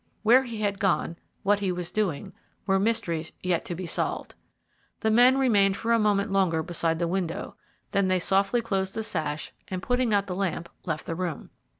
Where he had gone, what he was doing, were mysteries yet to be solved. The men remained for a moment longer beside the window, then they softly closed the sash, and putting out the lamp left the room.